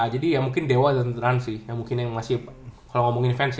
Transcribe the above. jadi ya mungkin dewa dan rans sih yang mungkin yang masih kalau ngomongin fans ya